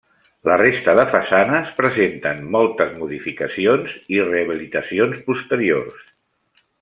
La resta de façanes presenten moltes modificacions i rehabilitacions posteriors.